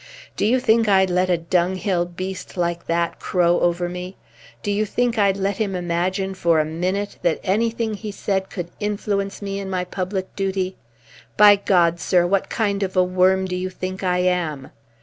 "Do you think I'd let a dunghill beast like that crow over me? Do you think I'd let him imagine for a minute that anything he said could influence me in my public duty? By God, sir, what kind of a worm do you think I am?"